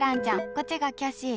こっちがキャシー。